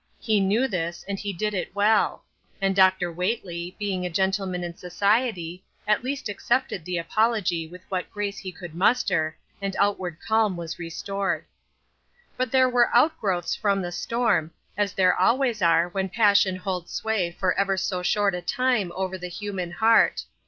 He knew this, and he did it well ; and Dr. Whately, being a gentleman in society, at least accepted the apology with what grace he could muster, and outward calm was restored. 90 SLIPPERY GROUND. But there were outgrowths from the storm, as there always are when passion holds sway for ever so short a time over the human heart.